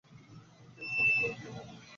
তিনি চতুর্থবার বিবাহ করেন।